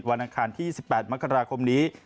อังคารที่๒๘มกราคมนี้